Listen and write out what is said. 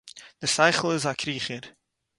דער שׂכל איז אַ קריכער.